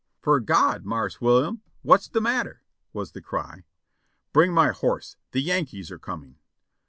"Fore God, Marse William, what's de matter?"' was the cry. "Bring my horse; the Yankees are coming!"